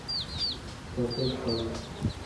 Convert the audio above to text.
Pope y cols.